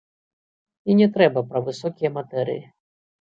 І не трэба пра высокія матэрыі.